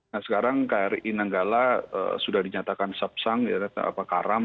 nah sekarang kri nanggala sudah dinyatakan subsang karam